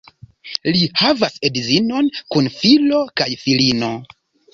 Li havas edzinon kun filo kaj filino.